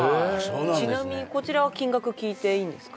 ちなみにこちらは金額聞いていいんですか？